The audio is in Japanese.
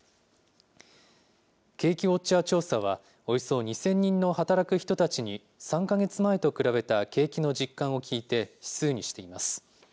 景気ウォッチャー調査はおよそ２０００人の働く人たちに、３か月前と比べた景気の実感を聞いて指数にしています。